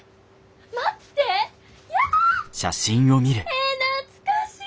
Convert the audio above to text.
え懐かしい！